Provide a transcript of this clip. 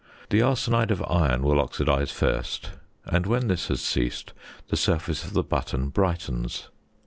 The arsenide of iron will oxidise first, and when this has ceased the surface of the button brightens.